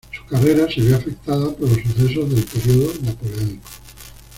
Su carrera se vio afectada por los sucesos del periodo napoleónico.